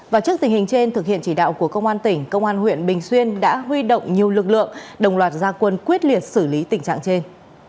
và trước tình hình trên thực hiện chỉ đạo của công an tỉnh công an huyện bình xuyên đã huy động nhiều lực lượng đồng loạt gia quân quyết liệt xử lý tình trạng trên